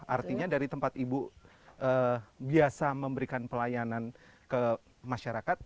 artinya dari tempat ibu biasa memberikan pelayanan ke masyarakat